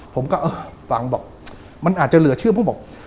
ผมก็เออฟังบอกมันอาจจะเหลือชื่อผู้บอก